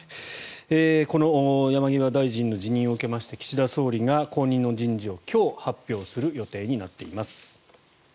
山際大臣の辞任を受けまして、岸田総理が後任の人事を今日発表する予定になっています。